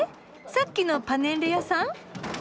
さっきのパネッレ屋さん？